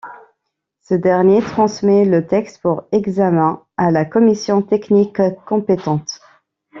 Ce dernier transmet le texte pour examen à la commission technique compétente.